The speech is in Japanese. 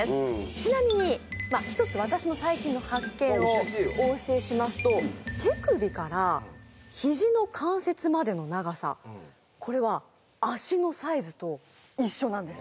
ちなみにまあ１つ私の最近の発見を教えてよお教えしますと手首から肘の関節までの長さこれは足のサイズと一緒なんです！